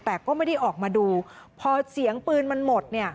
แต่ก็ไม่ได้ออกมาดูพอเสียงปืนมันหมดเนี่ย